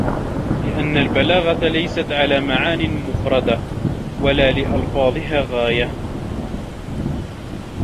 لِأَنَّ الْبَلَاغَةَ لَيْسَتْ عَلَى مَعَانٍ مُفْرَدَةٍ وَلَا لِأَلْفَاظِهَا غَايَةٌ